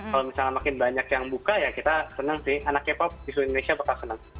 kalau misalnya makin banyak yang buka ya kita senang sih anak k pop di seluruh indonesia bakal senang